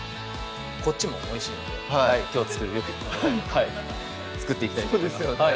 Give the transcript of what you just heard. こっちもおいしいのできょう作る料理もはい作っていきたいと思いますそうですよね